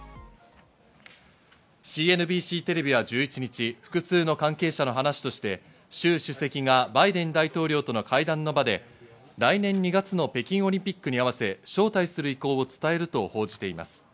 ＣＮＢＣテレビは１１日、複数の関係者の話として、シュウ主席がバイデン大統領との会談の場で来年２月の北京オリンピックに合わせ招待する意向を伝えると報じています。